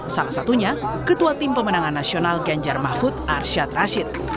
salah satunya ketua tim pemenangan nasional ganjar mahfud arsyad rashid